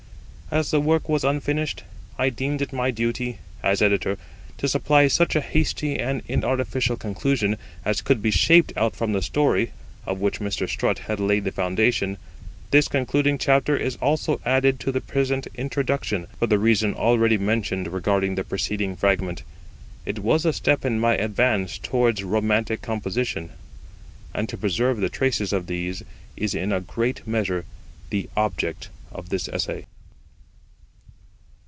As the work was unfinished, I deemed it my duty, as editor, to supply such a hasty and inartificial conclusion as could be shaped out from the story, of which Mr. Strutt had laid the foundation. This concluding chapter [Footnote: See Appendix No. II.] is also added to the present Introduction, for the reason already mentioned regarding the preceding fragment. It was a step in my advance towards romantic composition; and to preserve the traces of these is in a great measure the object of this Essay.